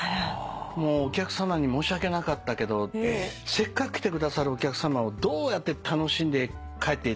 お客さまに申し訳なかったけどせっかく来てくださるお客さまをどうやって楽しんで帰っていただくか。